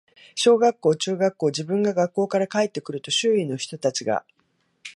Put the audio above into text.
小学校、中学校、自分が学校から帰って来ると、周囲の人たちが、